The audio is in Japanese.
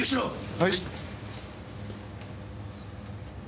はい？